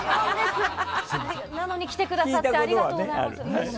なのに来てくださってありがとうございます。